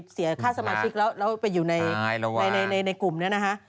เสียค่าสมาชิกแล้วไปอยู่ในกลุ่มนี้นะคะ